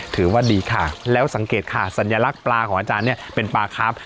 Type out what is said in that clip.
ถือว่าดีค่ะแล้วสังเกตค่ะสัญลักษณ์ปลาของอาจารย์เนี่ยเป็นปลาครับ